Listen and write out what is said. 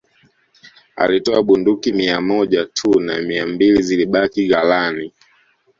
Alitoa bunduki mia moja tu na mia mbili zilibaki ghalani